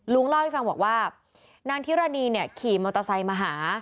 เล่าให้ฟังบอกว่านางธิรณีเนี่ยขี่มอเตอร์ไซค์มาหา